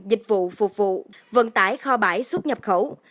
dịch vụ phục vụ vận tải kho bãi xuất nhập khẩu